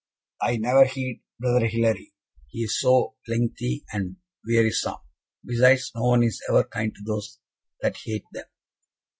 "I never heed Brother Hilary he is so lengthy, and wearisome; besides, no one is ever kind to those that hate them."